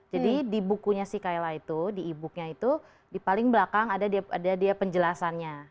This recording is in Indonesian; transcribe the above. jadi di bukunya si kayla itu di e booknya itu di paling belakang ada dia penjelasannya